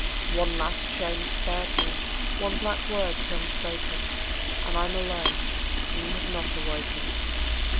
One last shame's spared me, one black word's unspoken; And I'm alone; and you have not awoken.